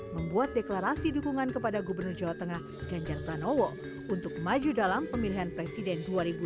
membuat deklarasi dukungan kepada gubernur jawa tengah ganjar pranowo untuk maju dalam pemilihan presiden dua ribu dua puluh